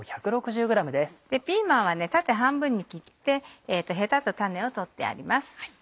ピーマンは縦半分に切ってへたと種を取ってあります。